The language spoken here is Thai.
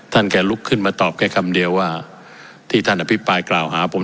แกลุกขึ้นมาตอบแค่คำเดียวว่าที่ท่านอภิปรายกล่าวหาผม